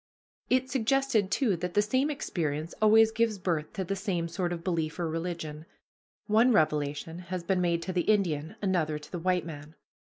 It suggested, too, that the same experience always gives birth to the same sort of belief or religion. One revelation has been made to the Indian, another to the white man.